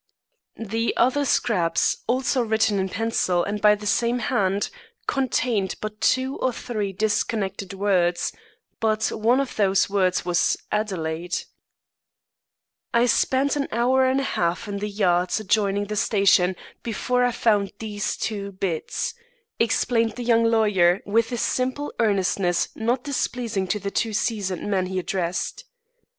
The other scraps, also written in pencil and by the same hand, contained but two or three disconnected words; but one of those words was Adelaide. "I spent an hour and a half in the yards adjoining the station before I found those two bits," explained the young lawyer with a simple earnestness not displeasing to the two seasoned men he addressed.